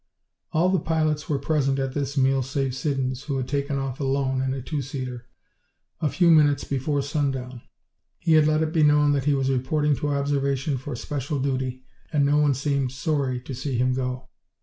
All the pilots were present at this meal save Siddons, who had taken off alone, in a two seater, a few minutes before sundown. He had let it be known that he was reporting to Observation for special duty, and no one seemed sorry to see him go.